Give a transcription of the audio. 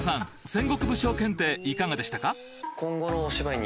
戦国武将検定いかがでしたか？